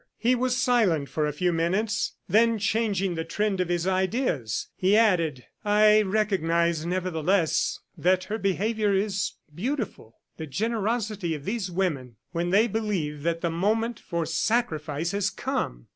He was silent for a few minutes, then changing the trend of his ideas, he added: "I recognize, nevertheless, that her behavior is beautiful. The generosity of these women when they believe that the moment for sacrifice has come!